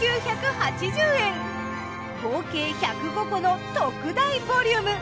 合計１０５個の特大ボリューム。